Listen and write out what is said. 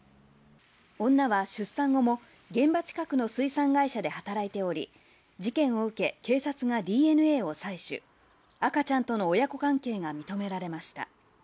女は出産後も現場近くの水産会社で働いており、事件を受け、警察がＤＮＡを採取、赤ちゃんとの親子関係が認められました。